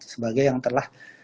sebagai yang telah